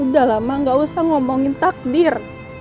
udah lama gak usah ngomongin takdir